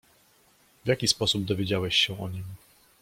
"W jaki sposób dowiedziałeś się o nim?"